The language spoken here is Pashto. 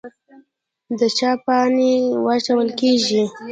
د چای پاڼې وچول کیږي